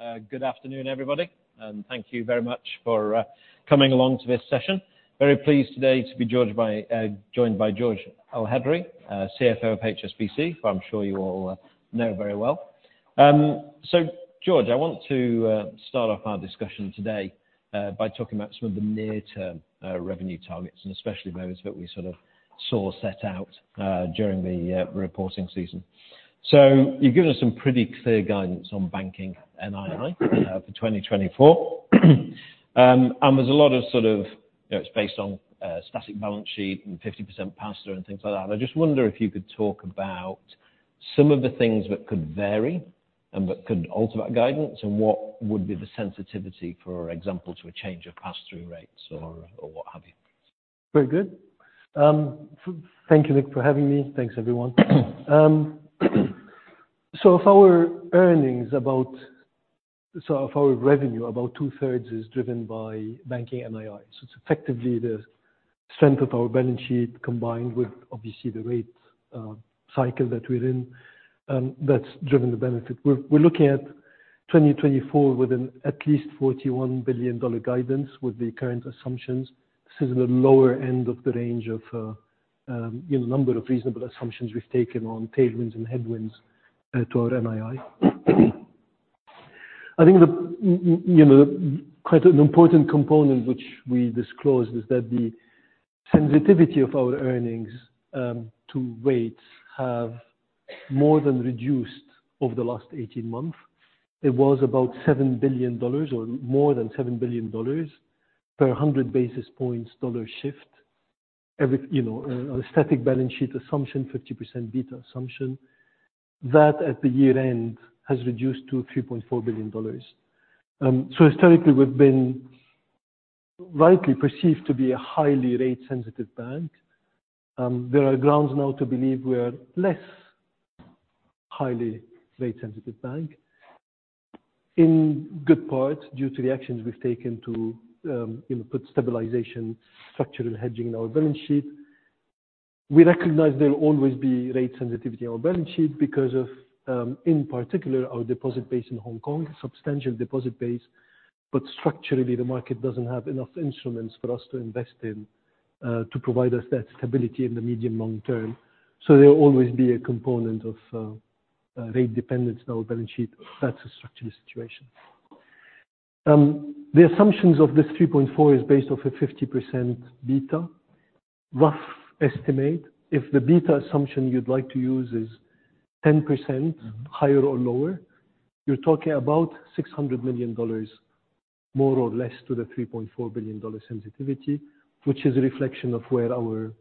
Okay, good afternoon, everybody, and thank you very much for coming along to this session. Very pleased today to be joined by, joined by Georges Elhedery, CFO of HSBC, who I'm sure you all know very well. So, George, I want to start off our discussion today by talking about some of the near-term revenue targets, and especially those that we sort of saw set out during the reporting season. So you've given us some pretty clear guidance on Banking NII for 2024, and there's a lot of sort of, you know, it's based on static balance sheet and 50% pass-through and things like that. I just wonder if you could talk about some of the things that could vary and that could alter that guidance, and what would be the sensitivity for, for example, to a change of pass-through rates or what have you. Very good. Thank you, Nick, for having me. Thanks, everyone. So of our earnings, about two-thirds of our revenue is driven by Banking NII. So it's effectively the strength of our balance sheet combined with, obviously, the rate cycle that we're in, that's driven the benefit. We're looking at 2024 with at least $41 billion guidance with the current assumptions. This is in the lower end of the range of, you know, number of reasonable assumptions we've taken on tailwinds and headwinds to our NII. I think you know, the quite an important component which we disclosed is that the sensitivity of our earnings to rates have more than reduced over the last 18 months. It was about $7 billion or more than $7 billion per 100 basis points dollar shift every, you know, a static balance sheet assumption, 50% beta assumption, that at the year-end has reduced to $3.4 billion. So historically, we've been rightly perceived to be a highly rate-sensitive bank. There are grounds now to believe we are less highly rate-sensitive bank, in good part due to the actions we've taken to, you know, put stabilization, structural hedging in our balance sheet. We recognize there'll always be rate sensitivity in our balance sheet because of, in particular, our deposit base in Hong Kong, substantial deposit base, but structurally, the market doesn't have enough instruments for us to invest in, to provide us that stability in the medium-long term. So there'll always be a component of rate dependence in our balance sheet. That's a structural situation. The assumptions of this 3.4 are based off a 50% beta rough estimate. If the beta assumption you'd like to use is 10% higher or lower, you're talking about $600 million more or less to the $3.4 billion sensitivity, which is a reflection of where our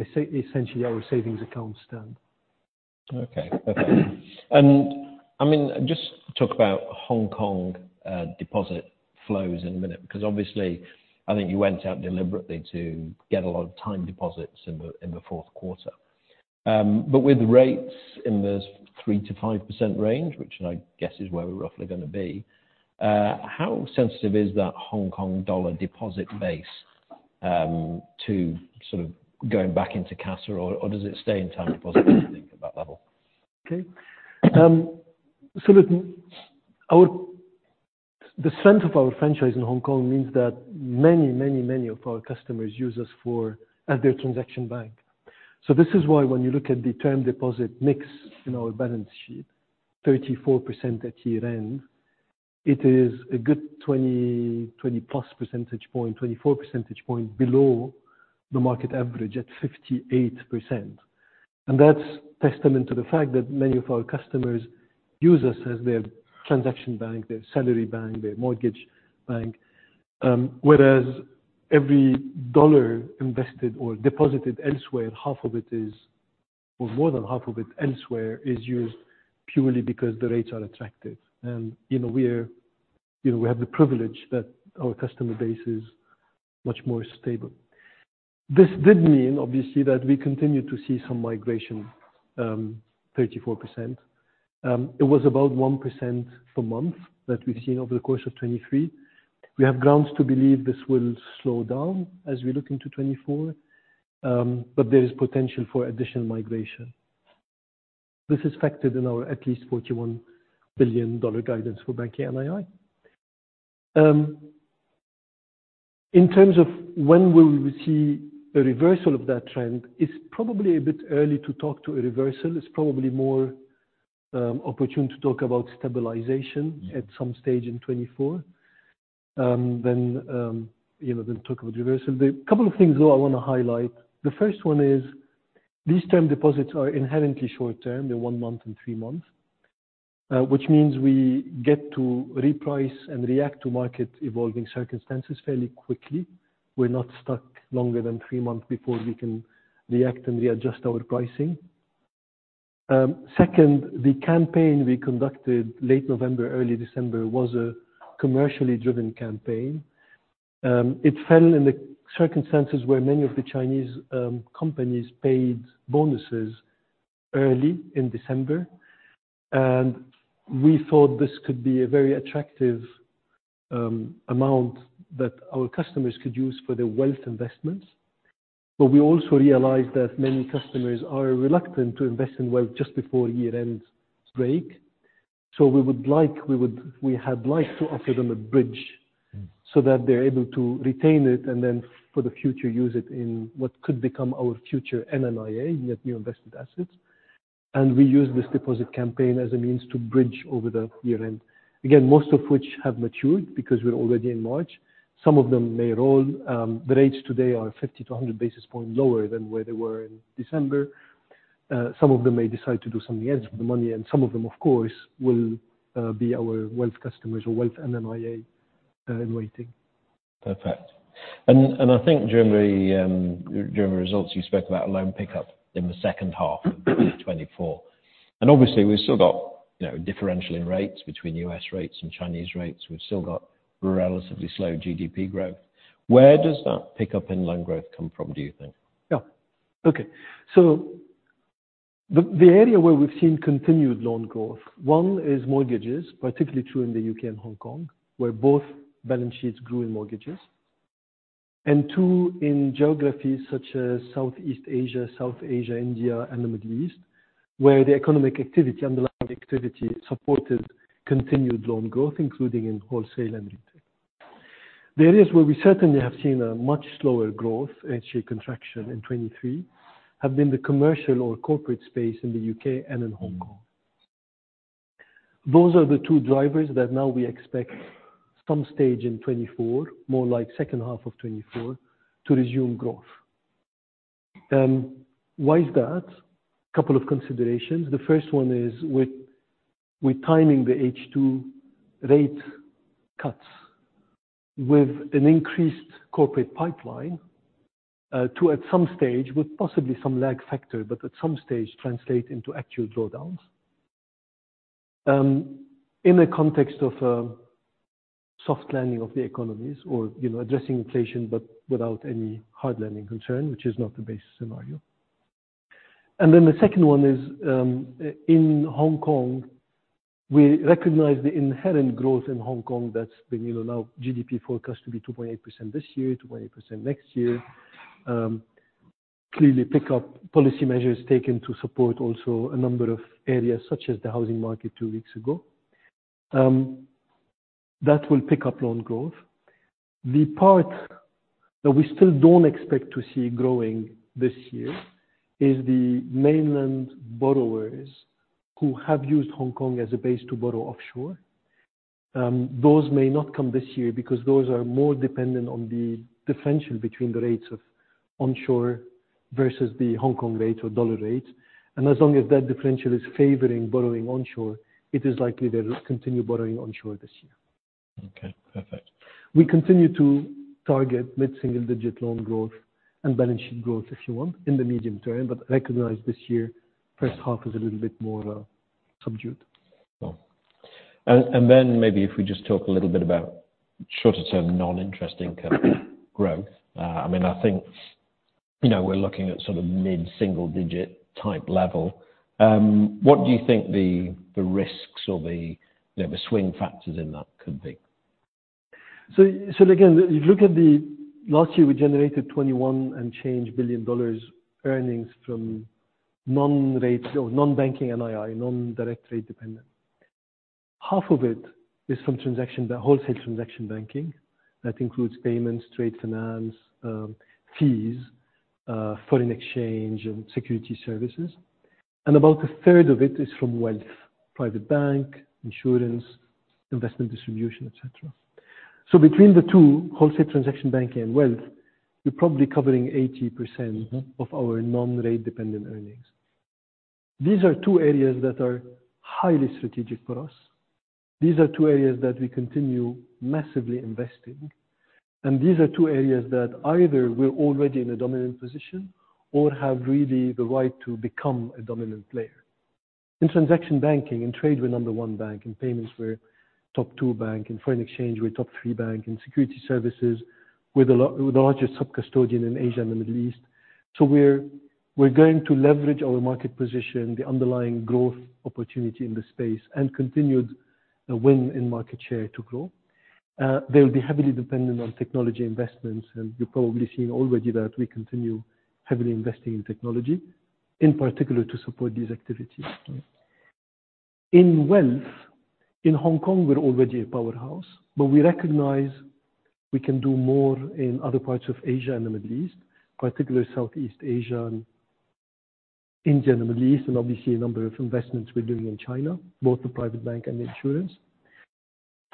essentially, our savings accounts stand. Okay. Okay. And, I mean, just talk about Hong Kong, deposit flows in a minute because, obviously, I think you went out deliberately to get a lot of time deposits in the fourth quarter. But with rates in the 3%-5% range, which I guess is where we're roughly going to be, how sensitive is that Hong Kong dollar deposit base, to sort of going back into cash, or, or does it stay in time deposits, if you think at that level? Okay. So look, our strength of our franchise in Hong Kong means that many, many, many of our customers use us as their transaction bank. So this is why when you look at the term deposit mix in our balance sheet, 34% at year-end, it is a good 20, 20-plus percentage point, 24 percentage point below the market average at 58%. And that's testament to the fact that many of our customers use us as their transaction bank, their salary bank, their mortgage bank, whereas every dollar invested or deposited elsewhere, half of it is or more than half of it elsewhere is used purely because the rates are attractive. And, you know, we're you know, we have the privilege that our customer base is much more stable. This did mean, obviously, that we continue to see some migration, 34%. It was about 1% per month that we've seen over the course of 2023. We have grounds to believe this will slow down as we look into 2024, but there is potential for additional migration. This is factored in our at least $41 billion guidance for Banking NII. In terms of when we will see a reversal of that trend, it's probably a bit early to talk to a reversal. It's probably more opportune to talk about stabilization at some stage in 2024, than, you know, than talk about reversal. The couple of things, though, I want to highlight. The first one is these term deposits are inherently short-term. They're one month and three months, which means we get to reprice and react to market evolving circumstances fairly quickly. We're not stuck longer than three months before we can react and readjust our pricing. Second, the campaign we conducted late November, early December was a commercially driven campaign. It fell in the circumstances where many of the Chinese companies paid bonuses early in December, and we thought this could be a very attractive amount that our customers could use for their wealth investments. But we also realized that many customers are reluctant to invest in wealth just before year-end break, so we would have liked to offer them a bridge so that they're able to retain it and then for the future use it in what could become our future NNIA, Net New Invested Assets. And we used this deposit campaign as a means to bridge over the year-end, again, most of which have matured because we're already in March. Some of them may roll. The rates today are 50-100 basis points lower than where they were in December. Some of them may decide to do something else with the money, and some of them, of course, will be our wealth customers or wealth NNIA in waiting. Perfect. And, and I think during the, during the results, you spoke about a loan pickup in the second half of 2024. And obviously, we've still got, you know, differential in rates between U.S. rates and Chinese rates. We've still got relatively slow GDP growth. Where does that pickup in loan growth come from, do you think? Yeah. Okay. So the area where we've seen continued loan growth, one, is mortgages, particularly true in the U.K. and Hong Kong, where both balance sheets grew in mortgages. And two, in geographies such as Southeast Asia, South Asia, India, and the Middle East, where the economic activity, underlying activity, supported continued loan growth, including in wholesale and retail. The areas where we certainly have seen a much slower growth, actually contraction, in 2023 have been the commercial or corporate space in the U.K. and in Hong Kong. Those are the two drivers that now we expect some stage in 2024, more like second half of 2024, to resume growth. Why is that? Couple of considerations. The first one is with timing the H2 rate cuts with an increased corporate pipeline, to at some stage with possibly some lag factor, but at some stage translate into actual drawdowns, in the context of soft landing of the economies or, you know, addressing inflation but without any hard landing concern, which is not the base scenario. And then the second one is, in Hong Kong, we recognize the inherent growth in Hong Kong that's been, you know, now GDP forecast to be 2.8% this year, 2.8% next year, clearly pick up policy measures taken to support also a number of areas such as the housing market two weeks ago. That will pick up loan growth. The part that we still don't expect to see growing this year is the mainland borrowers who have used Hong Kong as a base to borrow offshore. Those may not come this year because those are more dependent on the differential between the rates of onshore versus the Hong Kong rate or dollar rate. As long as that differential is favoring borrowing onshore, it is likely they'll continue borrowing onshore this year. Okay. Perfect. We continue to target mid-single-digit loan growth and balance sheet growth, if you want, in the medium term, but recognize this year, first half, is a little bit more subdued. Cool. And then maybe if we just talk a little bit about shorter-term, non-interest income growth, I mean, I think, you know, we're looking at sort of mid-single-digit type level. What do you think the risks or the, you know, the swing factors in that could be? So again, if you look at the last year, we generated $21 billion and change in earnings from non-rate or non-banking NII, non-direct rate dependent. Half of it is from transaction wholesale transaction banking that includes payments, trade finance, fees, foreign exchange, and securities services. And about a third of it is from wealth: private bank, insurance, investment distribution, etc. So between the two, wholesale transaction banking and wealth, we're probably covering 80% of our non-rate dependent earnings. These are two areas that are highly strategic for us. These are two areas that we continue massively investing. And these are two areas that either we're already in a dominant position or have really the right to become a dominant player. In transaction banking and trade, we're number one bank. In payments, we're top two bank. In foreign exchange, we're top three bank. In Securities Services, we're the leader with the largest subcustodian in Asia and the Middle East. So we're, we're going to leverage our market position, the underlying growth opportunity in the space, and continue to win in market share to grow. They'll be heavily dependent on technology investments, and you're probably seeing already that we continue heavily investing in technology, in particular to support these activities. In wealth, in Hong Kong, we're already a powerhouse, but we recognize we can do more in other parts of Asia and the Middle East, particularly Southeast Asia and India and the Middle East, and obviously, a number of investments we're doing in China, both the private bank and the insurance.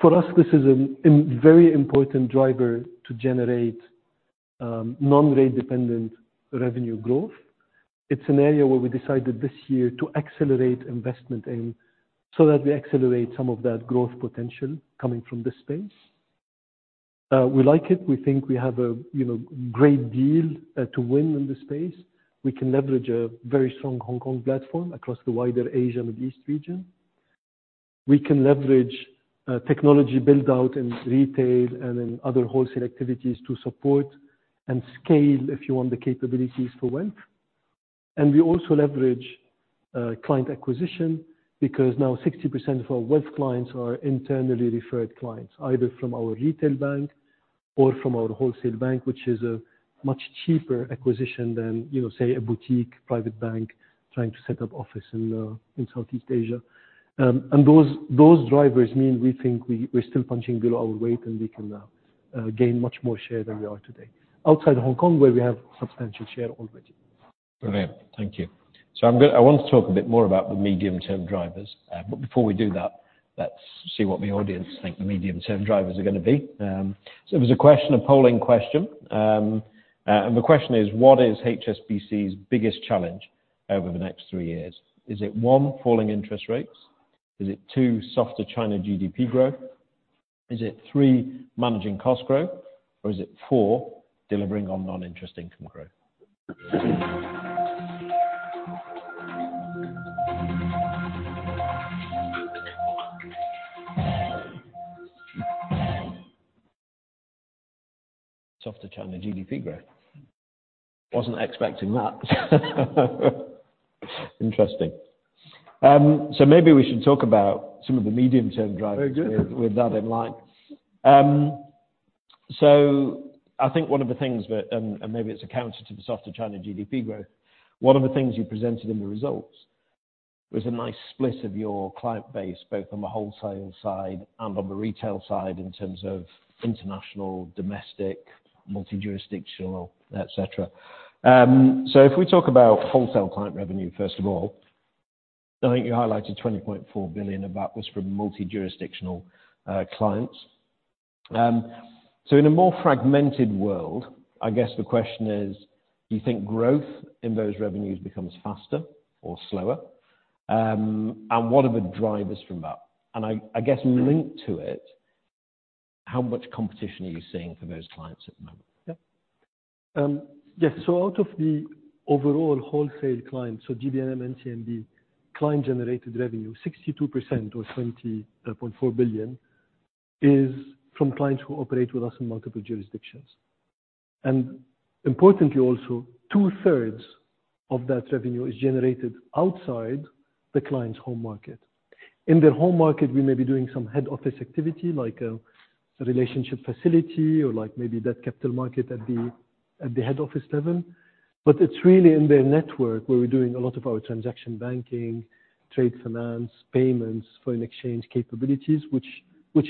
For us, this is a, a very important driver to generate non-rate-dependent revenue growth. It's an area where we decided this year to accelerate investment in so that we accelerate some of that growth potential coming from this space. We like it. We think we have a, you know, great deal, to win in this space. We can leverage a very strong Hong Kong platform across the wider Asia and Middle East region. We can leverage, technology buildout in retail and in other wholesale activities to support and scale, if you want, the capabilities for wealth. And we also leverage, client acquisition because now 60% of our wealth clients are internally referred clients, either from our retail bank or from our wholesale bank, which is a much cheaper acquisition than, you know, say, a boutique private bank trying to set up office in, in Southeast Asia. Those drivers mean we think we're still punching below our weight, and we can gain much more share than we are today, outside of Hong Kong, where we have substantial share already. Brilliant. Thank you. So I'm going to I want to talk a bit more about the medium-term drivers. Before we do that, let's see what my audience think the medium-term drivers are going to be. There was a question, a polling question. The question is, what is HSBC's biggest challenge over the next three years? Is it one, falling interest rates? Is it two, softer China GDP growth? Is it three, managing cost growth? Or is it four, delivering on non-interest income growth? Softer China GDP growth. Wasn't expecting that. Interesting. Maybe we should talk about some of the medium-term drivers with, with that in mind. I think one of the things that and, and maybe it's a counter to the softer China GDP growth. One of the things you presented in the results was a nice split of your client base, both on the wholesale side and on the retail side in terms of international, domestic, multi-jurisdictional, etc. If we talk about wholesale client revenue, first of all, I think you highlighted $20.4 billion. That was from multi-jurisdictional clients. In a more fragmented world, I guess the question is, do you think growth in those revenues becomes faster or slower? And what are the drivers from that? And I guess linked to it, how much competition are you seeing for those clients at the moment? Yeah, yes. So out of the overall wholesale clients, so GB&M, CMB, client-generated revenue, 62% or $20.4 billion is from clients who operate with us in multiple jurisdictions. And importantly also, two-thirds of that revenue is generated outside the client's home market. In their home market, we may be doing some head office activity, like a relationship facility or like maybe debt capital market at the head office level. But it's really in their network where we're doing a lot of our transaction banking, trade finance, payments, foreign exchange capabilities, which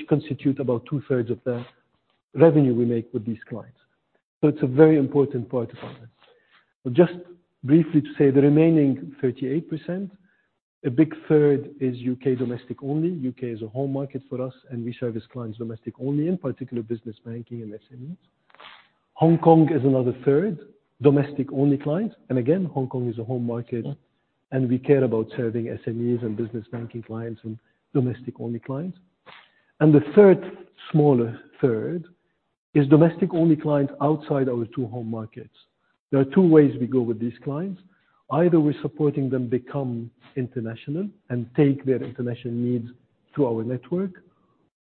constitute about two-thirds of the revenue we make with these clients. So it's a very important part of all this. Well, just briefly to say, the remaining 38%, a big third is U.K. domestic only. U.K. is a home market for us, and we service clients domestic only, in particular business banking and SMEs. Hong Kong is another third, domestic only clients. And again, Hong Kong is a home market, and we care about serving SMEs and business banking clients and domestic only clients. And the third, smaller third, is domestic only clients outside our two home markets. There are two ways we go with these clients. Either we're supporting them become international and take their international needs through our network,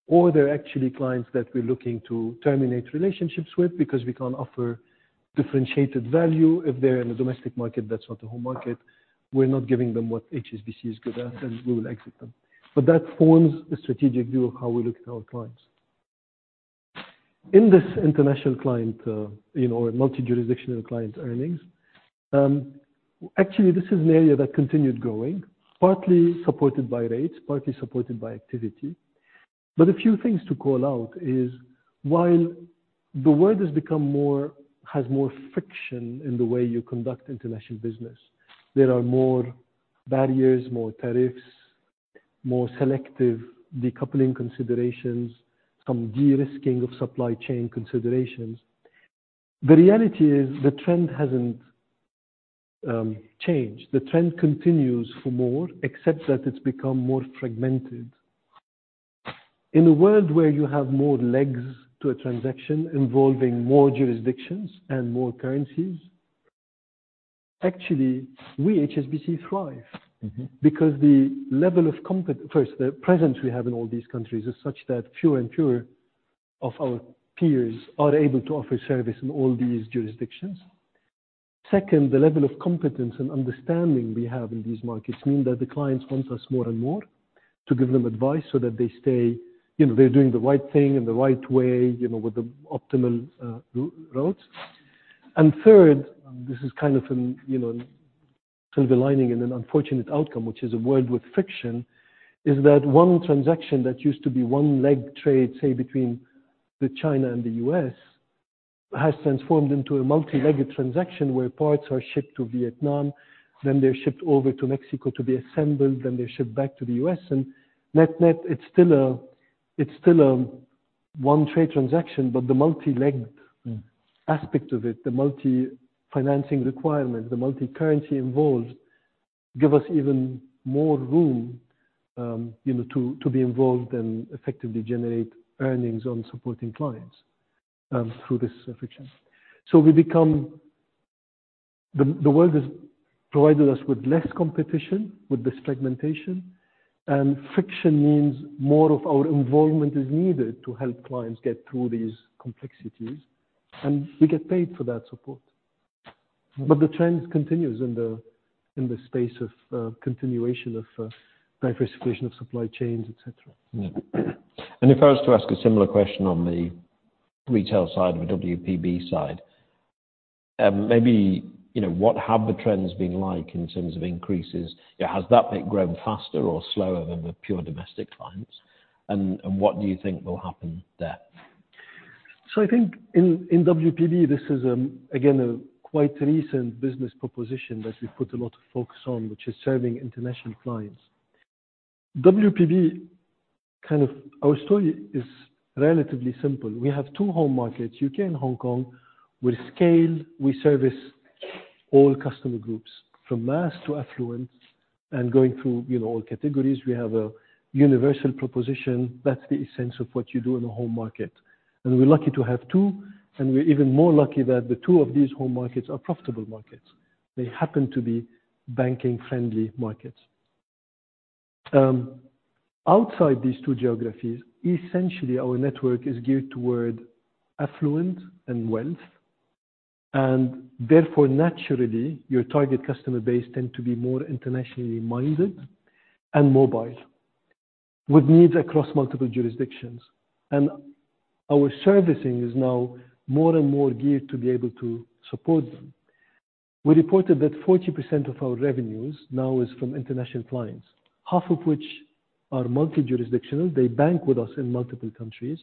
or they're actually clients that we're looking to terminate relationships with because we can't offer differentiated value. If they're in a domestic market that's not a home market, we're not giving them what HSBC is good at, and we will exit them. But that forms a strategic view of how we look at our clients. In this international client, you know, or multi-jurisdictional client earnings, actually, this is an area that continued growing, partly supported by rates, partly supported by activity. But a few things to call out is, while the world has become more friction in the way you conduct international business, there are more barriers, more tariffs, more selective decoupling considerations, some de-risking of supply chain considerations, the reality is the trend hasn't changed. The trend continues for more, except that it's become more fragmented. In a world where you have more legs to a transaction involving more jurisdictions and more currencies, actually, we, HSBC, thrive because the level of competition first, the presence we have in all these countries is such that fewer and fewer of our peers are able to offer service in all these jurisdictions. Second, the level of competence and understanding we have in these markets mean that the clients want us more and more to give them advice so that they stay, you know, they're doing the right thing in the right way, you know, with the optimal routes. And third, and this is kind of an, you know, a silver lining in an unfortunate outcome, which is a world with friction, is that one transaction that used to be one-leg trade, say, between China and the U.S. has transformed into a multi-legged transaction where parts are shipped to Vietnam, then they're shipped over to Mexico to be assembled, then they're shipped back to the U.S.. Net-net, it's still a one-trade transaction, but the multi-legged aspect of it, the multi-financing requirements, the multi-currency involved give us even more room, you know, to be involved and effectively generate earnings on supporting clients through this friction. So we become the world has provided us with less competition with this fragmentation. And friction means more of our involvement is needed to help clients get through these complexities. And we get paid for that support. But the trend continues in the space of continuation of diversification of supply chains, etc. Yeah. And if I was to ask a similar question on the retail side of the WPB side, maybe, you know, what have the trends been like in terms of increases? You know, has that bit grown faster or slower than the pure domestic clients? And, and what do you think will happen there? So I think in WPB, this is, again, a quite recent business proposition that we've put a lot of focus on, which is serving international clients. WPB kind of our story is relatively simple. We have two home markets, U.K. and Hong Kong. We're scaled. We service all customer groups from mass to affluent and going through, you know, all categories. We have a universal proposition. That's the essence of what you do in a home market. And we're lucky to have two. And we're even more lucky that the two of these home markets are profitable markets. They happen to be banking-friendly markets. Outside these two geographies, essentially, our network is geared toward affluent and wealth. And therefore, naturally, your target customer base tends to be more internationally minded and mobile with needs across multiple jurisdictions. Our servicing is now more and more geared to be able to support them. We reported that 40% of our revenues now is from international clients, half of which are multi-jurisdictional. They bank with us in multiple countries.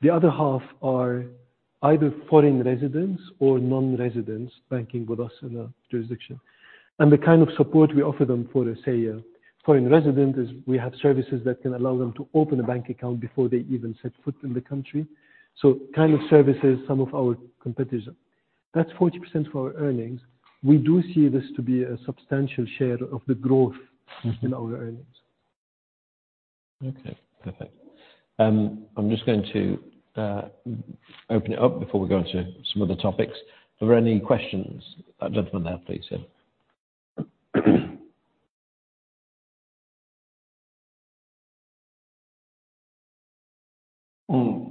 The other half are either foreign residents or non-residents banking with us in a jurisdiction. And the kind of support we offer them for, say, a foreign resident is we have services that can allow them to open a bank account before they even set foot in the country. So kind of services some of our competitors. That's 40% of our earnings. We do see this to be a substantial share of the growth in our earnings. Okay. Perfect. I'm just going to open it up before we go on to some other topics. Are there any questions? That gentleman there, please, yeah.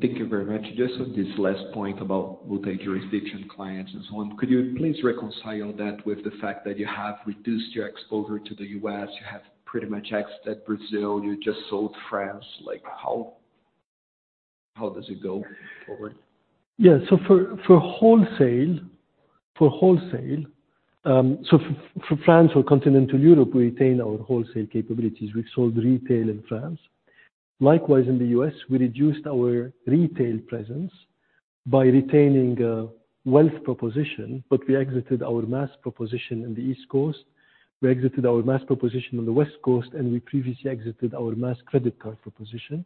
Thank you very much. Just on this last point about multi-jurisdiction clients and so on, could you please reconcile that with the fact that you have reduced your exposure to the U.S.? You have pretty much exited Brazil. You just sold France. Like, how, how does it go forward? Yeah. So for wholesale, so for France or Continental Europe, we retain our wholesale capabilities. We've sold retail in France. Likewise, in the U.S., we reduced our retail presence by retaining wealth proposition, but we exited our mass proposition in the East Coast. We exited our mass proposition on the West Coast, and we previously exited our mass credit card proposition.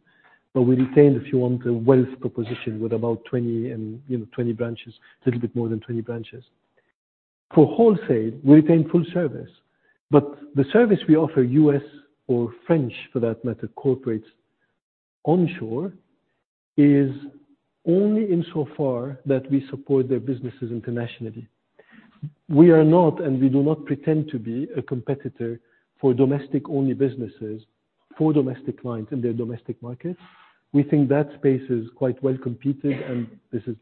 But we retained, if you want, a wealth proposition with about 20 and, you know, 20 branches, a little bit more than 20 branches. For wholesale, we retain full service. But the service we offer, U.S. or French for that matter, corporates onshore, is only insofar that we support their businesses internationally. We are not, and we do not pretend to be, a competitor for domestic-only businesses for domestic clients in their domestic markets. We think that space is quite well competed, and this is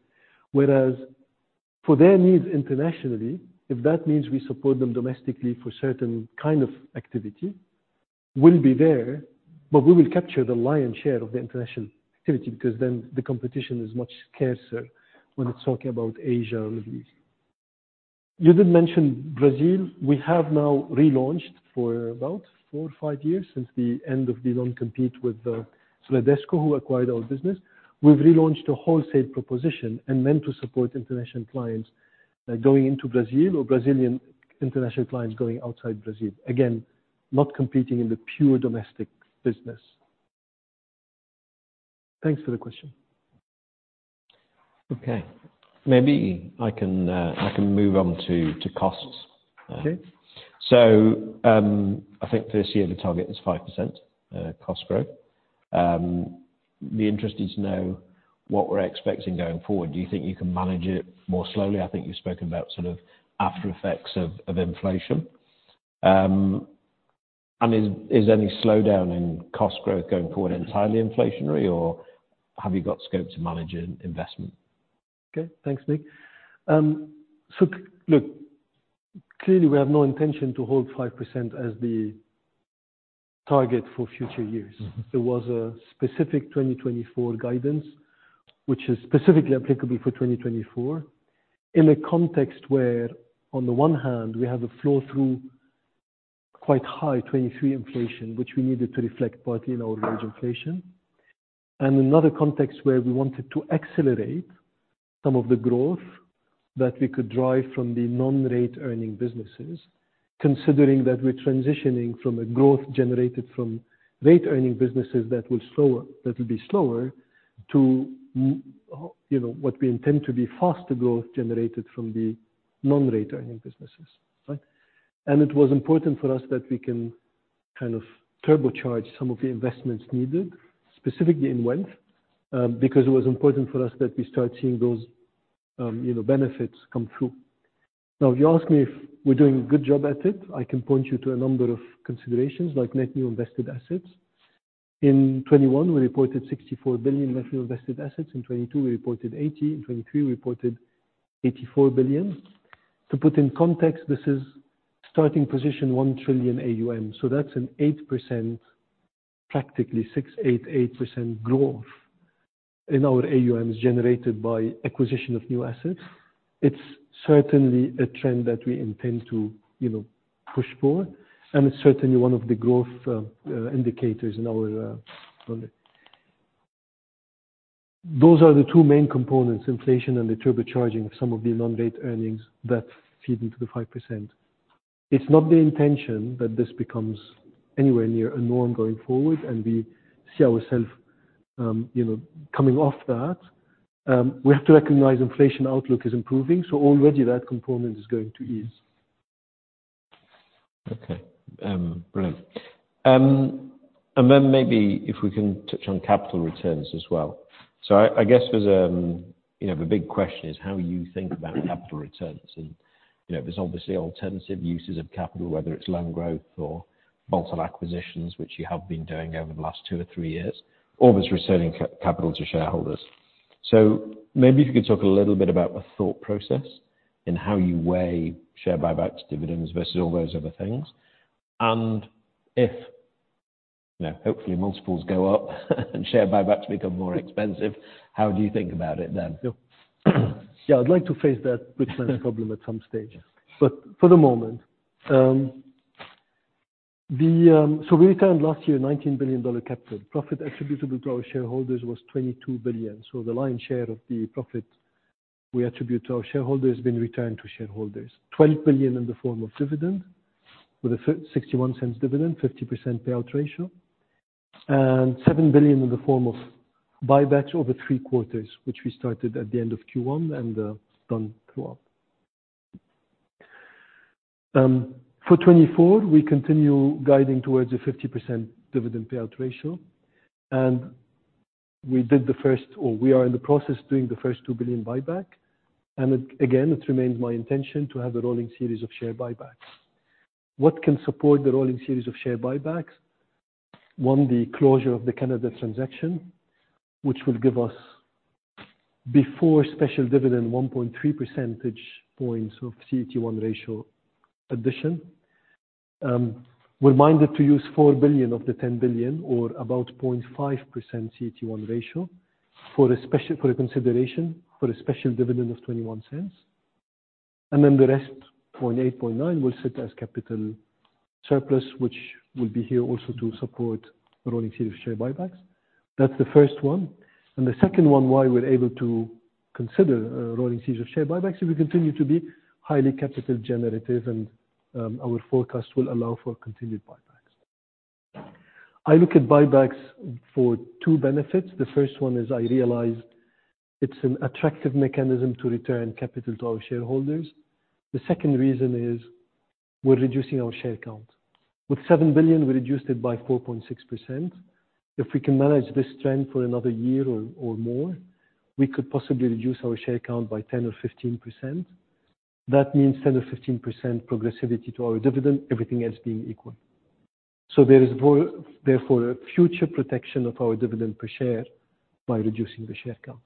whereas for their needs internationally, if that means we support them domestically for certain kind of activity, we'll be there, but we will capture the lion's share of the international activity because then the competition is much scarcer when it's talking about Asia and the Middle East. You did mention Brazil. We have now relaunched for about 4-5 years since the end of the non-compete with Bradesco, who acquired our business. We've relaunched a wholesale proposition and meant to support international clients, going into Brazil or Brazilian international clients going outside Brazil, again, not competing in the pure domestic business. Thanks for the question. Okay. Maybe I can, I can move on to, to costs. Okay. So, I think this year the target is 5% cost growth. I'd be interested to know what we're expecting going forward. Do you think you can manage it more slowly? I think you've spoken about sort of aftereffects of inflation. And is any slowdown in cost growth going forward entirely inflationary, or have you got scope to manage an investment? Okay. Thanks, Nick. So look, clearly, we have no intention to hold 5% as the target for future years. There was a specific 2024 guidance, which is specifically applicable for 2024 in a context where, on the one hand, we have a flow-through quite high, 23% inflation, which we needed to reflect partly in our wage inflation, and another context where we wanted to accelerate some of the growth that we could drive from the non-rate-earning businesses, considering that we're transitioning from a growth generated from rate-earning businesses that will be slower to, you know, what we intend to be faster growth generated from the non-rate-earning businesses, right? And it was important for us that we can kind of turbocharge some of the investments needed, specifically in wealth, because it was important for us that we start seeing those, you know, benefits come through. Now, if you ask me if we're doing a good job at it, I can point you to a number of considerations, like net new invested assets. In 2021, we reported $64 billion net new invested assets. In 2022, we reported $80 billion. In 2023, we reported $84 billion. To put in context, this is starting position $1 trillion AUM. So that's an 8%, practically 6, 8, 8% growth in our AUMs generated by acquisition of new assets. It's certainly a trend that we intend to, you know, push for. And it's certainly one of the growth, indicators in our, those are the two main components, inflation and the turbocharging of some of the non-rate earnings that feed into the 5%. It's not the intention that this becomes anywhere near a norm going forward, and we see ourselves, you know, coming off that. We have to recognize inflation outlook is improving. So already, that component is going to ease. Okay. Brilliant. And then maybe if we can touch on capital returns as well. So I guess there's, you know, the big question is how you think about capital returns. And, you know, there's obviously alternative uses of capital, whether it's loan growth or bulk acquisitions, which you have been doing over the last two or three years, or there's returning capital to shareholders. So maybe if you could talk a little bit about a thought process in how you weigh share buybacks, dividends, versus all those other things. And if, you know, hopefully, multiples go up and share buybacks become more expensive, how do you think about it then? Yeah. Yeah, I'd like to face that pre-plans problem at some stage. But for the moment, the, so we returned last year $19 billion capital. Profit attributable to our shareholders was $22 billion. So the lion's share of the profit we attribute to our shareholders has been returned to shareholders, $12 billion in the form of dividend with a $0.61 dividend, 50% payout ratio, and $7 billion in the form of buybacks over three quarters, which we started at the end of Q1 and, done throughout. For 2024, we continue guiding towards a 50% dividend payout ratio. And we did the first or we are in the process of doing the first $2 billion buyback. And it again, it remains my intention to have a rolling series of share buybacks. What can support the rolling series of share buybacks? One, the closure of the Canada transaction, which will give us, before special dividend, 1.3 percentage points of CET1 ratio addition. We're minded to use $4 billion of the $10 billion or about 0.5% CET1 ratio for a special for a special dividend of $0.21. And then the rest, 0.8, 0.9, will sit as capital surplus, which will be here also to support a rolling series of share buybacks. That's the first one. The second one, why we're able to consider, a rolling series of share buybacks, is we continue to be highly capital-generative, and, our forecast will allow for continued buybacks. I look at buybacks for two benefits. The first one is I realize it's an attractive mechanism to return capital to our shareholders. The second reason is we're reducing our share count. With 7 billion, we reduced it by 4.6%. If we can manage this trend for another year or more, we could possibly reduce our share count by 10% or 15%. That means 10% or 15% progressivity to our dividend, everything else being equal. So there is, therefore, a future protection of our dividend per share by reducing the share count.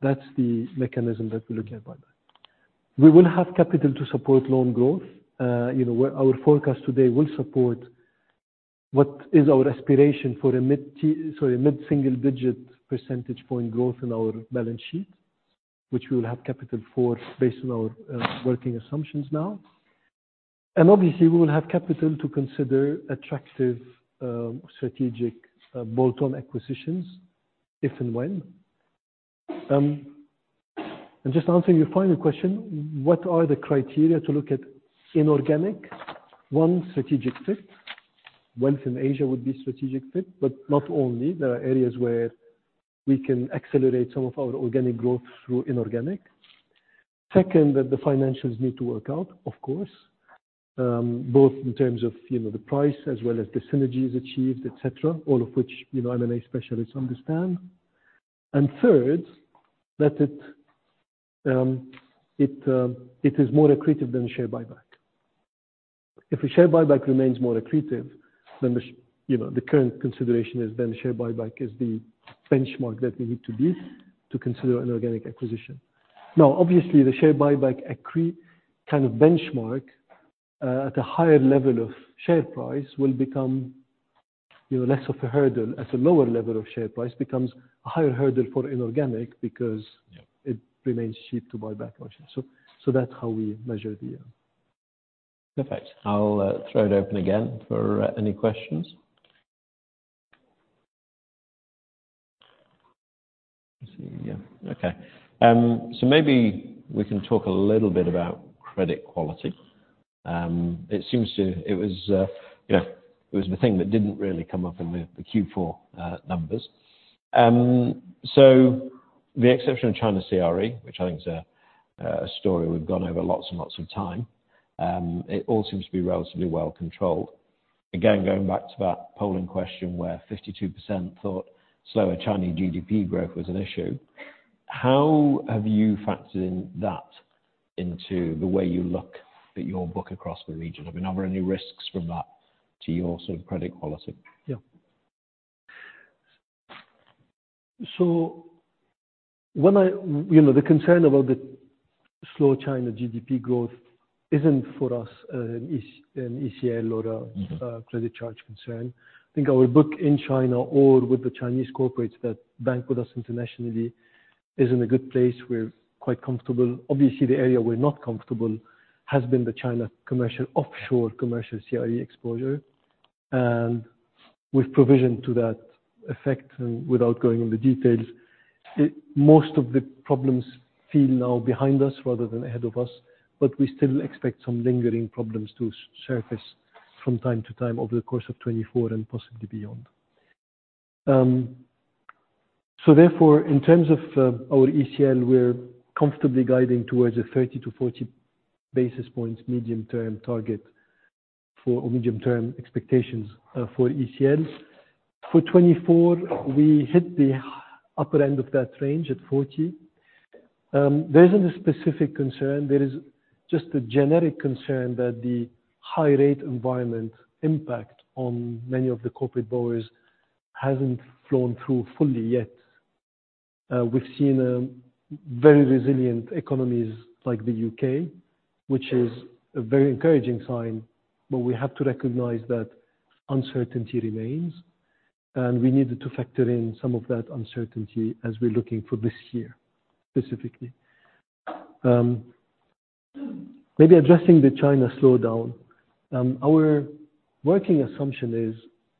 That's the mechanism that we look at by that. We will have capital to support loan growth. You know, our forecast today will support what is our aspiration for a mid-single-digit percentage point growth in our balance sheet, which we will have capital for based on our working assumptions now. And obviously, we will have capital to consider attractive, strategic, bolt-on acquisitions if and when. And just answering your final question, what are the criteria to look at inorganic? One, strategic fit. Wealth in Asia would be strategic fit, but not only. There are areas where we can accelerate some of our organic growth through inorganic. Second, that the financials need to work out, of course, both in terms of, you know, the price as well as the synergy is achieved, etc., all of which, you know, M&A specialists understand. And third, that it is more accretive than a share buyback. If a share buyback remains more accretive, then the share buyback, you know, is the current consideration, the benchmark that we need to beat to consider an inorganic acquisition. Now, obviously, the share buyback accretion benchmark, at a higher level of share price will become, you know, less of a hurdle. At a lower level of share price, it becomes a higher hurdle for inorganic because. Yeah. It remains cheap to buy back our shares. So, that's how we measure the, Perfect. I'll throw it open again for any questions. Let's see. Yeah. Okay. So maybe we can talk a little bit about credit quality. It seems to it was, you know, it was the thing that didn't really come up in the, the Q4 numbers. So the exception of China CRE, which I think is a, a story we've gone over lots and lots of time, it all seems to be relatively well controlled. Again, going back to that polling question where 52% thought slower Chinese GDP growth was an issue, how have you factored in that into the way you look at your book across the region? I mean, are there any risks from that to your sort of credit quality? Yeah. So when I, you know, the concern about the slower China GDP growth isn't for us, an ECL or a. Mm-hmm. Credit charge concern. I think our book in China or with the Chinese corporates that bank with us internationally is in a good place. We're quite comfortable. Obviously, the area we're not comfortable has been the China commercial offshore commercial CRE exposure. And with provision to that effect, and without going into details, it most of the problems feel now behind us rather than ahead of us. But we still expect some lingering problems to surface from time to time over the course of 2024 and possibly beyond. Therefore, in terms of our ECL, we're comfortably guiding towards a 30-40 basis points medium-term target for or medium-term expectations for ECL. For 2024, we hit the upper end of that range at 40. There isn't a specific concern. There is just a generic concern that the high-rate environment impact on many of the corporate borrowers hasn't flown through fully yet. We've seen very resilient economies like the U.K., which is a very encouraging sign. But we have to recognize that uncertainty remains. We needed to factor in some of that uncertainty as we're looking for this year specifically. Maybe addressing the China slowdown. Our working assumption is,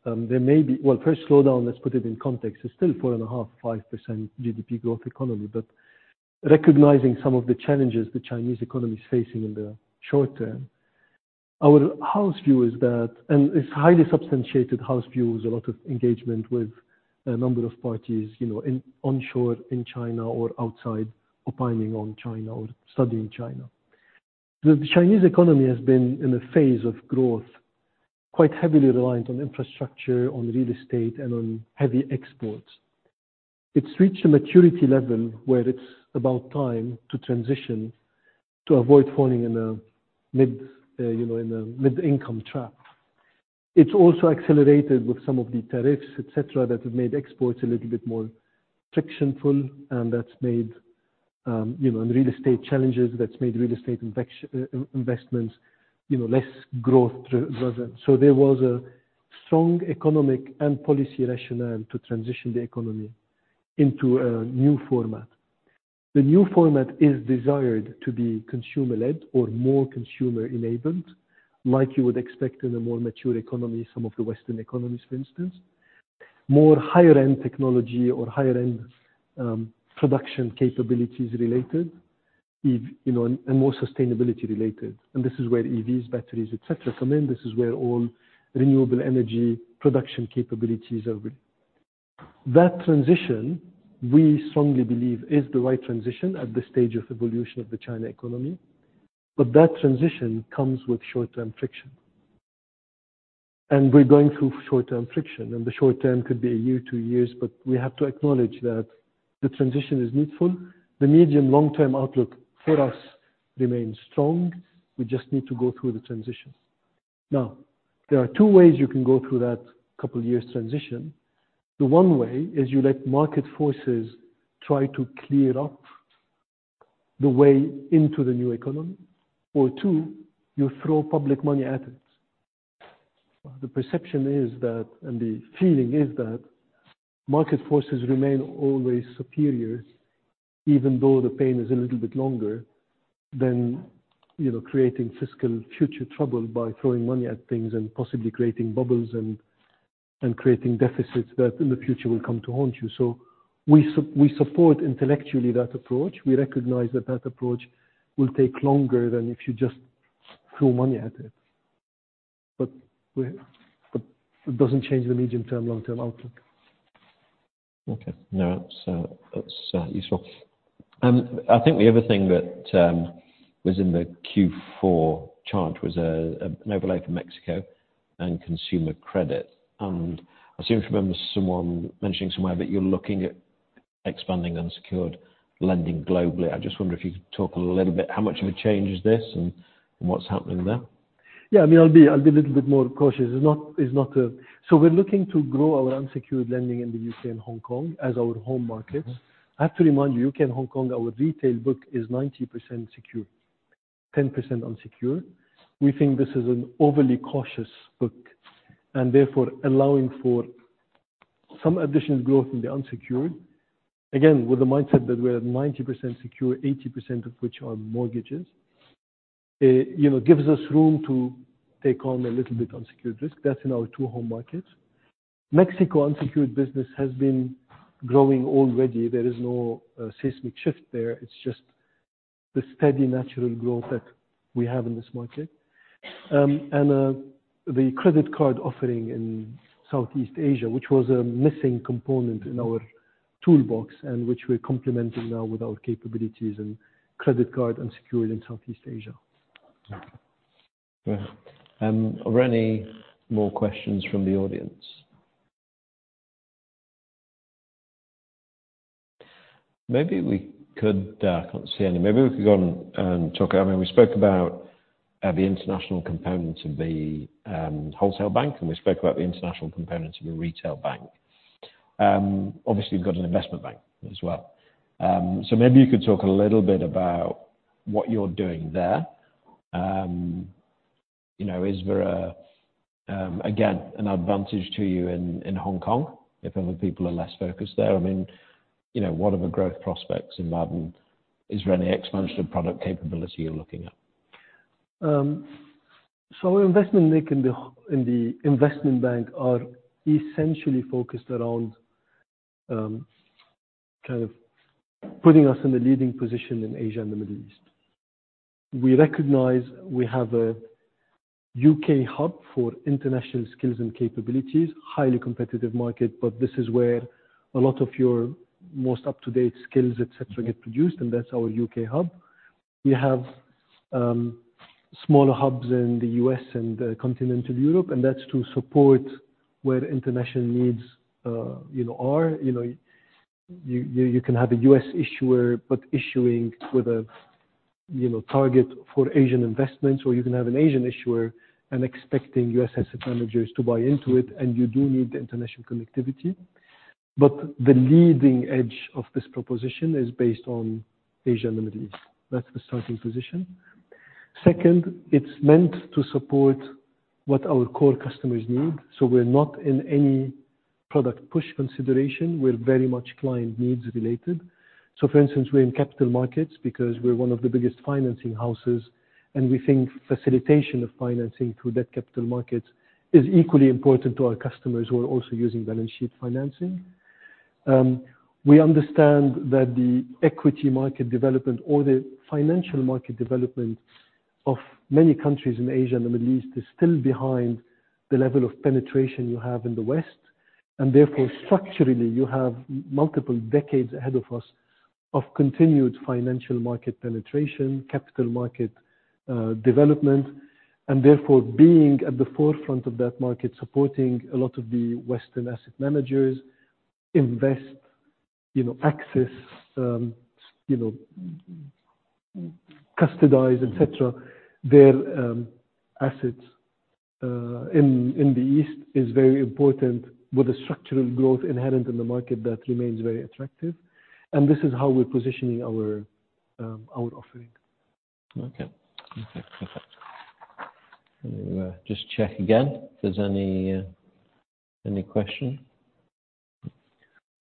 there may be well, first, slowdown, let's put it in context. It's still 4.5%-5% GDP growth economy. But recognizing some of the challenges the Chinese economy is facing in the short term, our house view is that and it's highly substantiated house view with a lot of engagement with a number of parties, you know, in onshore in China or outside opining on China or studying China. The Chinese economy has been in a phase of growth quite heavily reliant on infrastructure, on real estate, and on heavy exports. It's reached a maturity level where it's about time to transition to avoid falling in a middle, you know, in a middle-income trap. It's also accelerated with some of the tariffs, etc., that have made exports a little bit more frictionful. And that's made, you know, and real estate challenges. That's made real estate investments, you know, less growth-driven. So there was a strong economic and policy rationale to transition the economy into a new format. The new format is desired to be consumer-led or more consumer-enabled, like you would expect in a more mature economy, some of the Western economies, for instance, more higher-end technology or higher-end production capabilities related, EV you know, and, and more sustainability related. This is where EVs, batteries, etc., come in. This is where all renewable energy production capabilities are. That transition, we strongly believe, is the right transition at the stage of evolution of the China economy. But that transition comes with short-term friction. We're going through short-term friction. The short-term could be a year, 2 years. But we have to acknowledge that the transition is needful. The medium-long-term outlook for us remains strong. We just need to go through the transition. Now, there are two ways you can go through that couple of years transition. The one way is you let market forces try to clear up the way into the new economy. Or two, you throw public money at it. The perception is that and the feeling is that market forces remain always superior, even though the pain is a little bit longer than, you know, creating fiscal future trouble by throwing money at things and possibly creating bubbles and creating deficits that in the future will come to haunt you. So we support intellectually that approach. We recognize that that approach will take longer than if you just threw money at it. But it doesn't change the medium-term, long-term outlook. Okay. No, that's useful. I think the other thing that was in the Q4 charge was an overlay for Mexico and consumer credit. And I seem to remember someone mentioning somewhere that you're looking at expanding unsecured lending globally. I just wonder if you could talk a little bit how much of a change is this and what's happening there. Yeah. I mean, I'll be a little bit more cautious. It's not. So we're looking to grow our unsecured lending in the U.K. and Hong Kong as our home markets. I have to remind you, U.K. and Hong Kong, our retail book is 90% secure, 10% unsecured. We think this is an overly cautious book and therefore allowing for some additional growth in the unsecured, again, with the mindset that we're at 90% secure, 80% of which are mortgages, you know, gives us room to take on a little bit unsecured risk. That's in our two home markets. Mexico unsecured business has been growing already. There is no seismic shift there. It's just the steady natural growth that we have in this market. The credit card offering in Southeast Asia, which was a missing component in our toolbox and which we're complementing now with our capabilities and credit card unsecured in Southeast Asia. Okay. Good. Are there any more questions from the audience? Maybe we could, I can't see any. Maybe we could go on and talk about. I mean, we spoke about the international components of the wholesale bank. And we spoke about the international components of a retail bank. Obviously, you've got an investment bank as well. So maybe you could talk a little bit about what you're doing there. You know, is there again an advantage to you in Hong Kong if other people are less focused there? I mean, you know, what are the growth prospects in London? Is there any expansion of product capability you're looking at? So our investment niche in the hub in the investment bank are essentially focused around, kind of putting us in the leading position in Asia and the Middle East. We recognize we have a U.K. hub for international skills and capabilities, highly competitive market. But this is where a lot of your most up-to-date skills, etc., get produced. And that's our U.K. hub. We have smaller hubs in the US and continental Europe. And that's to support where international needs, you know, are. You know, you can have a US issuer but issuing with a, you know, target for Asian investments. Or you can have an Asian issuer and expecting US asset managers to buy into it. And you do need the international connectivity. But the leading edge of this proposition is based on Asia and the Middle East. That's the starting position. Second, it's meant to support what our core customers need. So we're not in any product push consideration. We're very much client needs related. So, for instance, we're in Capital Markets because we're one of the biggest financing houses. And we think facilitation of financing through Debt Capital Markets is equally important to our customers who are also using balance sheet financing. We understand that the equity market development or the financial market development of many countries in Asia and the Middle East is still behind the level of penetration you have in the West. And therefore, structurally, you have multiple decades ahead of us of continued financial market penetration, Capital Market, development. And therefore, being at the forefront of that market, supporting a lot of the Western asset managers invest, you know, access, you know, custody, etc., their assets in the East is very important with a structural growth inherent in the market that remains very attractive. And this is how we're positioning our offering. Okay. Perfect. Perfect. Let me just check again if there's any question.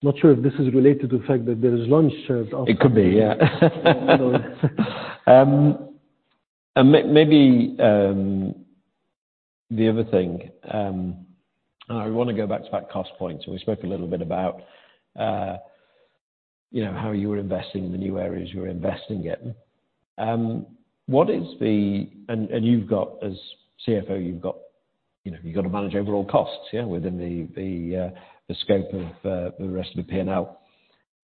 Not sure if this is related to the fact that there is lunch service after. It could be. Yeah. No. Maybe the other thing, we want to go back to that cost point. And we spoke a little bit about, you know, how you were investing in the new areas you were investing in. And you've got as CFO, you've got you know, you've got to manage overall costs, yeah, within the scope of the rest of the P&L.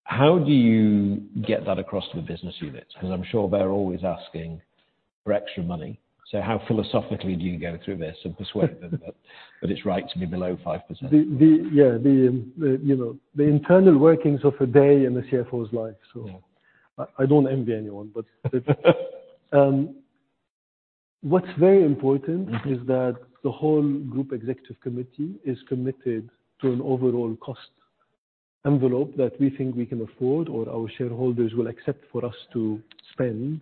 How do you get that across to the business units? Because I'm sure they're always asking for extra money. So how philosophically do you go through this and persuade them that it's right to be below 5%? You know, the internal workings of a day in a CFO's life, so. Yeah. I, I don't envy anyone. But it's, what's very important is that the whole group executive committee is committed to an overall cost envelope that we think we can afford or our shareholders will accept for us to spend.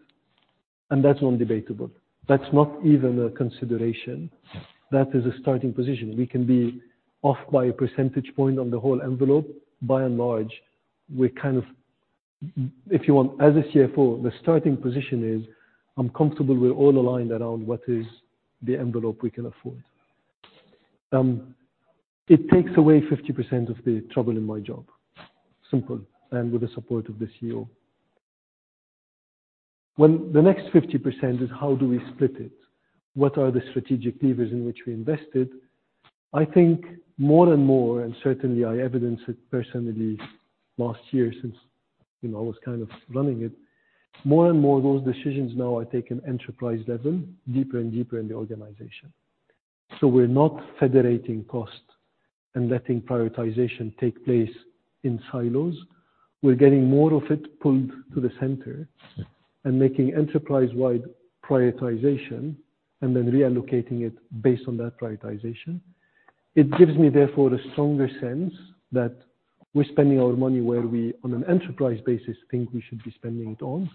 And that's non-debatable. That's not even a consideration. That is a starting position. We can be off by a percentage point on the whole envelope. By and large, we're kind of if you want, as a CFO, the starting position is, "I'm comfortable. We're all aligned around what is the envelope we can afford." It takes away 50% of the trouble in my job, simple, and with the support of the CEO. When the next 50% is, "How do we split it? What are the strategic levers in which we invest it?" I think more and more and certainly, I evidenced it personally last year since, you know, I was kind of running it. More and more, those decisions now are taken enterprise-level, deeper and deeper in the organization. So we're not federating cost and letting prioritization take place in silos. We're getting more of it pulled to the center and making enterprise-wide prioritization and then reallocating it based on that prioritization. It gives me, therefore, a stronger sense that we're spending our money where we, on an enterprise basis, think we should be spending it on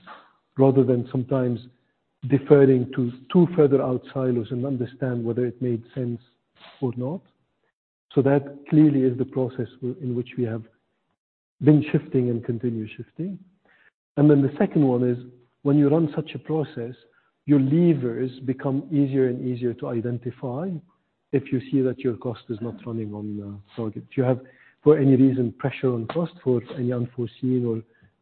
rather than sometimes deferring to two further out silos and understand whether it made sense or not. So that clearly is the process in which we have been shifting and continue shifting. And then the second one is, when you run such a process, your levers become easier and easier to identify if you see that your cost is not running on target. If you have, for any reason, pressure on cost for any unforeseen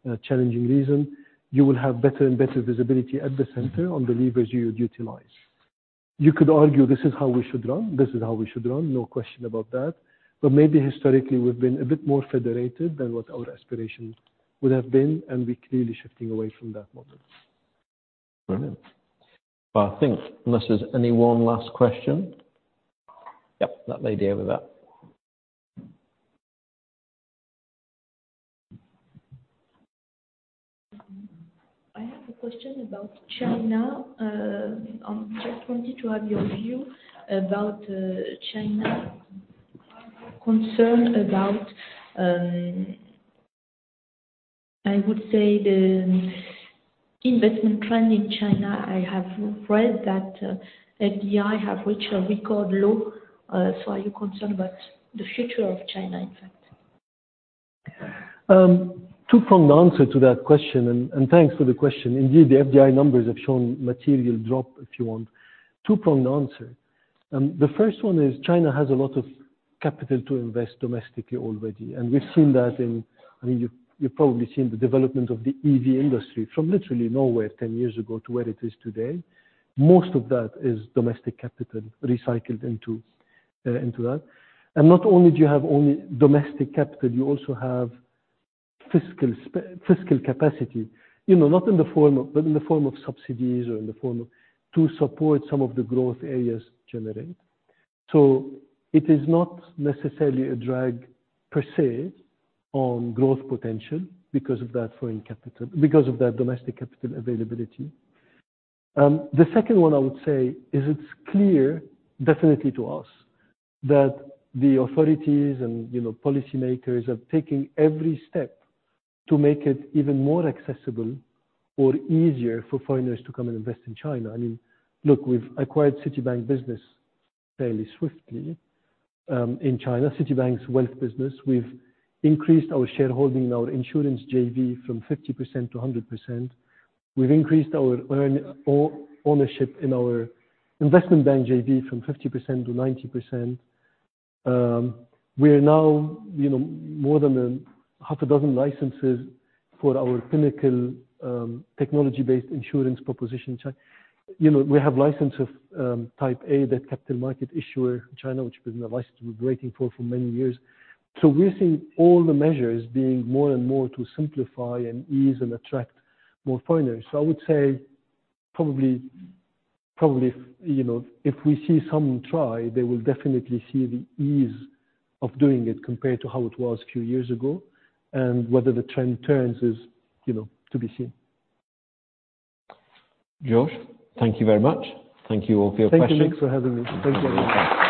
or challenging reason, you will have better and better visibility at the center on the levers you utilize. You could argue, "This is how we should run. This is how we should run. No question about that." But maybe historically, we've been a bit more federated than what our aspiration would have been. And we're clearly shifting away from that model. Brilliant. Well, I think, unless there's any one last question. Yep. That lady over there. I have a question about China. I just wanted to have your view about, China concern about, I would say, the investment trend in China. I have read that, FDI have reached a record low. So are you concerned about the future of China, in fact? Two-pronged answer to that question. And thanks for the question. Indeed, the FDI numbers have shown material drop, if you want. Two-pronged answer. The first one is China has a lot of capital to invest domestically already. And we've seen that in I mean, you've, you've probably seen the development of the EV industry from literally nowhere 10 years ago to where it is today. Most of that is domestic capital recycled into, into that. And not only do you have only domestic capital, you also have fiscal capacity, you know, not in the form of but in the form of subsidies or in the form of to support some of the growth areas generate. So it is not necessarily a drag, per se, on growth potential because of that foreign capital because of that domestic capital availability. The second one, I would say, is it's clear, definitely to us, that the authorities and, you know, policymakers are taking every step to make it even more accessible or easier for foreigners to come and invest in China. I mean, look, we've acquired Citi business fairly swiftly, in China, Citi's wealth business. We've increased our shareholding in our insurance, JV, from 50% to 100%. We've increased our ownership in our investment bank, JV, from 50% to 90%. We are now, you know, more than half a dozen licenses for our Pinnacle, technology-based insurance proposition. China, you know, we have license of, Type A, that capital market issuer in China, which we've been waiting for for many years. So we're seeing all the measures being more and more to simplify and ease and attract more foreigners. So, I would say probably, you know, if we see some try, they will definitely see the ease of doing it compared to how it was a few years ago. And whether the trend turns is, you know, to be seen. George, thank you very much. Thank you all for your questions. Thank you. Thanks for having me. Thank you very much.